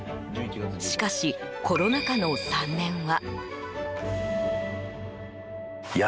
しかし、コロナ禍の３年は。